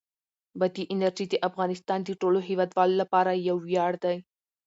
بادي انرژي د افغانستان د ټولو هیوادوالو لپاره یو ویاړ دی.